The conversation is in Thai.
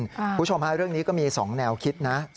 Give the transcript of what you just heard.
คุณผู้ชมฮะเรื่องนี้ก็มี๒แนวคิดนะ